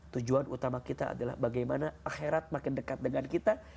tujuan utama kita adalah bagaimana akhirat makin dekat dengan kita